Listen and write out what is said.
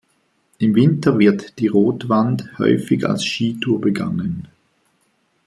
Im Winter wird die Rotwand häufig als Skitour begangen.